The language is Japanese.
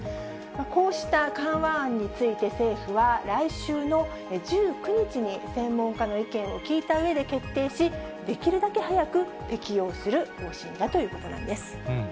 こうした緩和案について政府は、来週の１９日に専門家の意見を聞いたうえで決定し、できるだけ早く適用する方針だということなんです。